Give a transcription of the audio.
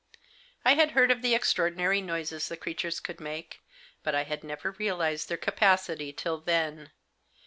I had heard of the extraordinary noises the creatures could make, but I had never realised their capacity till then.